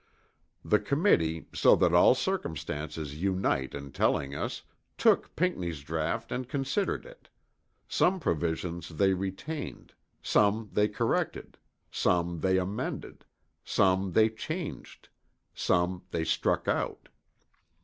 The committee, so all the circumstances unite in telling us, took Pinckney's draught and considered it; some provisions they retained; some they corrected, some they amended, some they changed, some they struck out.